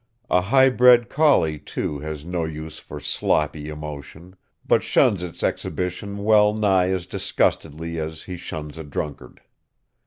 A high bred collie, too, has no use for sloppy emotion, but shuns its exhibition well nigh as disgustedly as he shuns a drunkard.